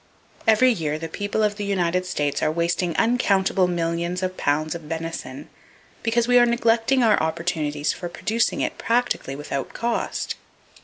Every year the people of the United States are wasting uncountable millions of pounds of venison, because we are neglecting our opportunities for producing it practically without cost.